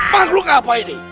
makhluk apa ini